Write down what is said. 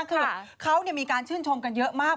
คือเขามีการชื่นชมกันเยอะมาก